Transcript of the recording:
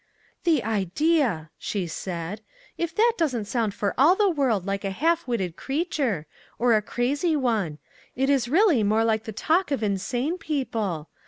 "The idea!" she said. "If that doesn't sound for all the world like a half witted crea ture ; or a crazy one ; it is really more like the talk of insane people.